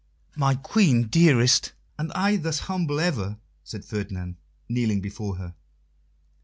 "My Queen, dearest, and I thus humble ever," said Ferdinand, kneeling before her.